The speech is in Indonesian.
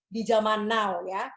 di zaman now ya